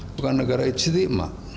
bukan negara ijtikmak